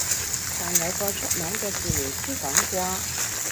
但有個出名嘅治療師講過